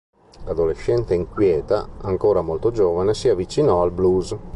Adolescente inquieta, ancora molto giovane si avvicinò al blues.